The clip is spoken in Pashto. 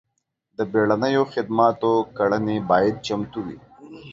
د بیړنیو خدماتو کړنې باید چمتو وي.